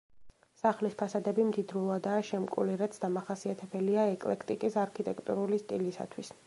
სახლის ფასადები მდიდრულადაა შემკული, რაც დამახასიათებელია ეკლექტიკის არქიტექტურული სტილისათვის.